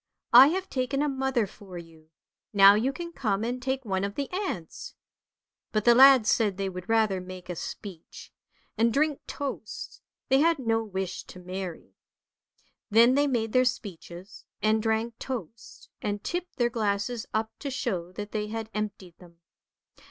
" I have taken a mother for you, now you can come and take one of the aunts." But the lads said they would rather make a speech, and drink toasts: they had no wish to marry. Then they made their speeches, and drank toasts and tipped their glasses up to show that they had emptied them.